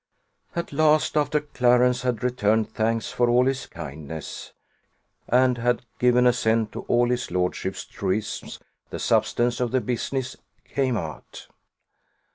At last, after Clarence had returned thanks for all his kindness, and had given assent to all his lordship's truisms, the substance of the business came out.